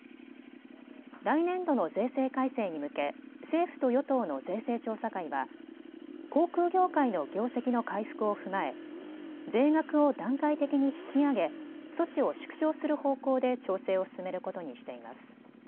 来年度の税制改正に向け政府と与党の税制調査会は、航空業界の業績の回復を踏まえ税額を段階的に引き上げ措置を縮小する方向で調整を進めることにしています。